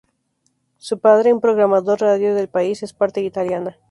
Su padre, un programador de radio del país, es parte italiana.